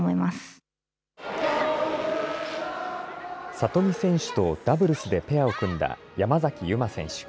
里見選手とダブルスでペアを組んだ山崎悠麻選手。